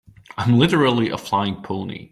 I'm literally a flying pony.